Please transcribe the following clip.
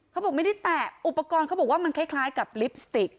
เขาบอกไม่ได้แตะอุปกรณ์เขาบอกว่ามันคล้ายกับลิปสติก